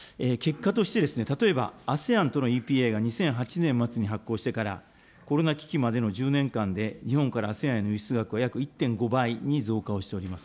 結果として例えば、ＡＳＥＡＮとのＥＰＡが２００８年末に発効してから、コロナ危機までの１０年間で日本からＡＳＥＡＮへの輸出額は約１．５倍に増加をしております。